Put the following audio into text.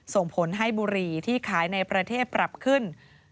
ส่งผลให้บุหรี่ที่ขายในประเทศปรับขึ้น